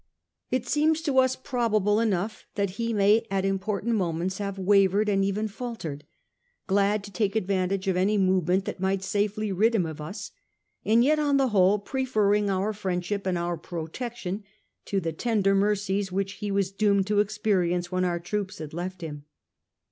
It seems to us probable enough that he may at important moments have wavered and even faltered, glad to take advantage of any movement that might safely rid him of us, and yet on the whole preferring our friendship and our pro tection to the tender mercies which he was doomed to experience when our troops had left him.